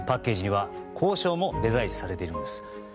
パッケージには校章もデザインされているんです。